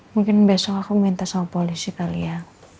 mungkin besok aku minta sama polisi kali ya